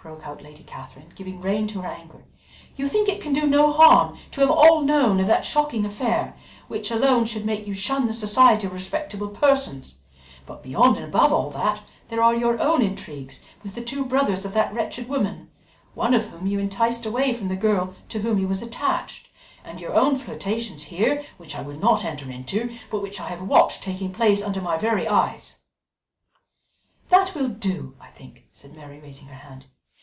broke out Lady Catherine, giving rein to her anger. "You think it can do you no harm to have all known of that shocking affair, which alone should make you shun the society of respectable persons, but beyond and above all that, there are your own intrigues with the two brothers of that wretched woman, one of whom you enticed away from the girl to whom he was attached, and your own flirtations here, which I will not enter into, but which I have watched taking place under my very eyes " "That will do, I think," said Mary, raising her hand.